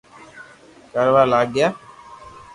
ڪروا لاگيو